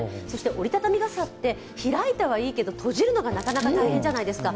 折り畳み傘って開いたはいいけど、閉じるのがなかなか大変じゃないですか。